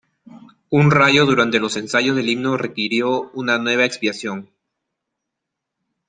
Un rayo durante los ensayos del himno requirió una nueva expiación.